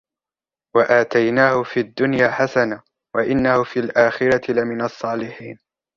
وآتيناه في الدنيا حسنة وإنه في الآخرة لمن الصالحين